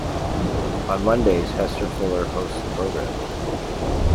On Mondays Hester Fuller hosts the program.